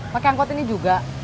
pakai angkot ini juga